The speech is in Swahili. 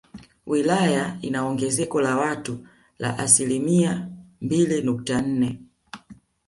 Wilaya ina ongezeko la watu la asilimia mbili nukta nne